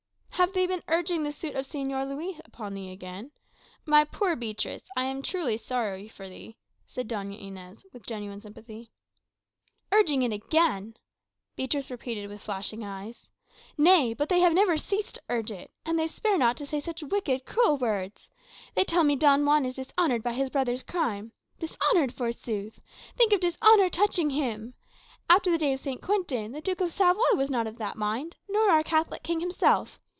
"Have they been urging the suit of Señor Luis upon thee again? My poor Beatriz, I am truly sorrow for thee," said Doña Inez, with genuine sympathy. "Urging it again!" Beatriz repeated with flashing eyes. "Nay; but they have never ceased to urge it. And they spare not to say such wicked, cruel words. They tell me Don Juan is dishonoured by his brother's crime. Dishonoured, forsooth! Think of dishonour touching him! After the day of St. Quentin, the Duke of Savoy was not of that mind, nor our Catholic King himself.